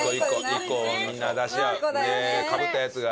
１個をみんな出し合う。でかぶったやつがもうそれ。